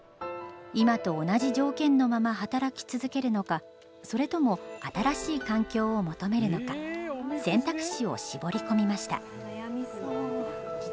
今と同じ条件のまま働き続けるのかそれとも新しい環境を求めるのか選択肢を絞り込みました。